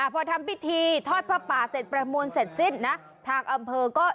พอทำปฏิเทศลิกเตอร์พระปาเสร็จประมูลเสร็จสิ้นนะ